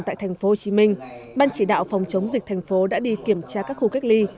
tại tp hcm ban chỉ đạo phòng chống dịch tp đã đi kiểm tra các khu cách ly